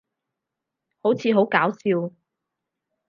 好似好搞笑